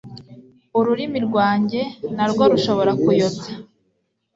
ururimi rwanjye, narwo, rushobora kuyobya